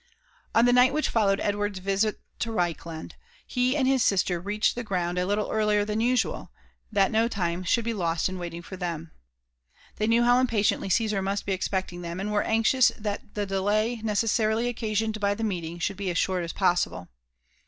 On the night which followed Edward's visit to Reichland, he and his sister reached the ground a little earlier than usual, that no time should be lost in waiting for them. They knew how impatiently Caesar must be expecting them, and were anxious that the delay neces sarily occasioned by the meeting should be as short as possible.